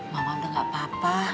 mama udah gak apa apa